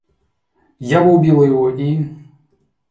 Я бы убила его и...